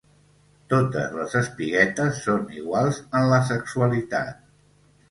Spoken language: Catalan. Totes les espiguetes són iguals en la sexualitat.